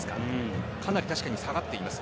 かなり確かに下がっています。